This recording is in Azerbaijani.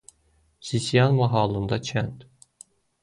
Sisian mahalında kənd.